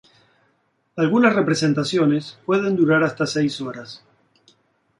Algunas representaciones pueden durar hasta seis horas.